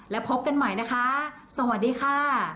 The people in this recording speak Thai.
แล้วพบกันใหม่นะคะสวัสดีค่ะ